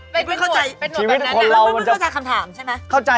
เป็นหนวดเป็นหนวดแบบนั้นนะชีวิตคนเรามันจะ